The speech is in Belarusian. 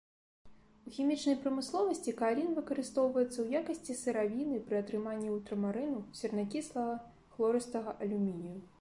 У хімічнай прамысловасці каалін выкарыстоўваецца ў якасці сыравіны пры атрыманні ультрамарыну, сернакіслага, хлорыстага алюмінію.